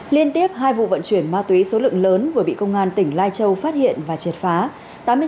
liên tiếp hai vụ vận chuyển ma túy số lượng lớn vừa bị công an tỉnh lai châu phát hiện và triệt phá